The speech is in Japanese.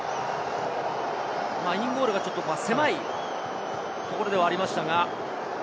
インゴールが狭いところではありましたが。